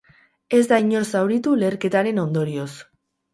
Ez da inor zauritu leherketaren ondorioz.